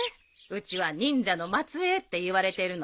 うちは忍者の末裔っていわれてるのさ。